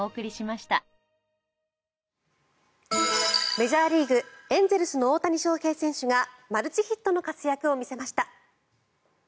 メジャーリーグエンゼルスの大谷翔平選手がマルチヒットの活躍を見せました。